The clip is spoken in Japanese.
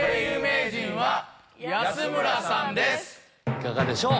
いかがでしょう？